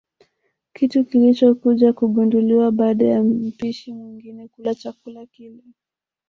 Kitu kilichokuja kugunduliwa baada ya mpishi mwingine kula chakula kile